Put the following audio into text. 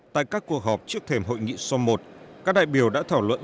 tại các cuộc họp trước thềm hội nghị som một các đại biểu đã thảo luận